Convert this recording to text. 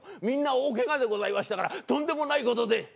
みんな大ケガでございましたからとんでもないことで。